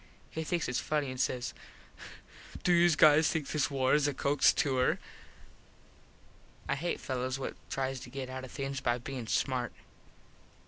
He thinks its funny an says "Do youse guys think this war is a Cooks tour?" I hate fellos what tries to get out of things by bein smart.